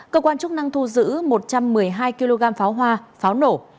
cơ quan chức năng thu giữ một trăm một mươi hai kg pháo hoa pháo nổ